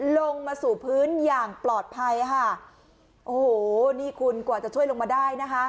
ลงมาสู่พื้นอย่างปลอดภัยค่ะโอ้โหนี่คุณกว่าจะช่วยลงมาได้นะคะ